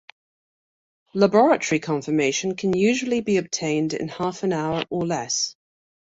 Laboratory confirmation can usually be obtained in half an hour or less.